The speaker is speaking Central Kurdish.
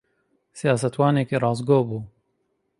سیاسەتوانێکی ڕاستگۆ بوو.